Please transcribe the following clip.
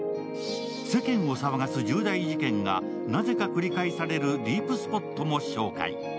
世間を騒がす重大事件がなぜか繰り返されるディープスポットも紹介。